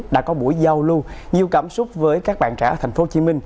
đã có buổi giao lưu nhiều cảm xúc với các bạn trẻ ở tp hcm